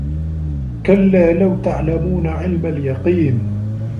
كَلّا لَو تَعلَمونَ عِلمَ اليَقينِ